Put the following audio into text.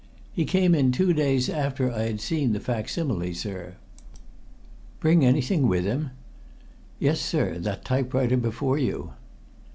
"He came in two days after I'd seen the facsimile, sir." "Bring anything with him?" "Yes, sir, that typewriter before you."